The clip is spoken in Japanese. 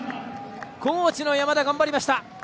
高知の山田、頑張りました。